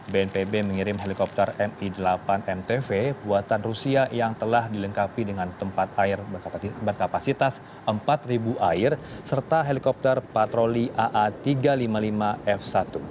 bnpb mengirim helikopter mi delapan mtv buatan rusia yang telah dilengkapi dengan tempat air berkapasitas empat air serta helikopter patroli aa tiga ratus lima puluh lima f satu